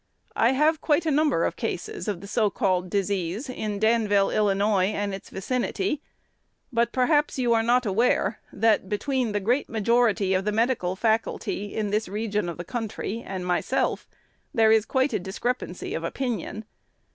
I have quite a number of cases of the so called disease in Danville, Ill., and its vicinity; but perhaps you are not aware, that, between the great majority of the medical faculty in this region of country and myself, there is quite a discrepancy of opinion.